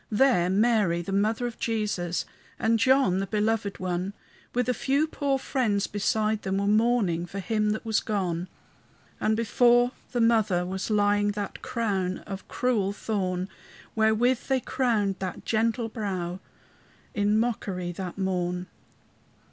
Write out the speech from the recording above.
There Mary, the mother of Jesus, And John, the belovèd one, With a few poor friends beside them, Were mourning for Him that was gone. And before the mother was lying That crown of cruel thorn, Wherewith they crowned that gentle brow In mockery that morn.